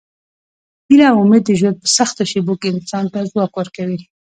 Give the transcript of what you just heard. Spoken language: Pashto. هیله او امید د ژوند په سختو شېبو کې انسان ته ځواک ورکوي.